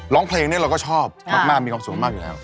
ร้องเพลงนี้เราก็ชอบมากมีความสุขมากอยู่แล้ว